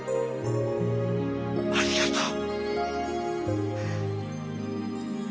ありがとう。